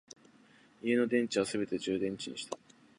家の電池はすべて充電池にした